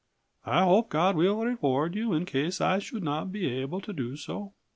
"I hop god wil Reward you In Caise i Shood not Be Abel to Do so.